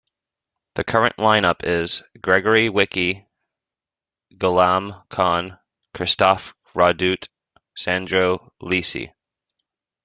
The current line-up is: Gregory Wicky, Guillaume Conne, Christophe Roduit, Sandro Lisci.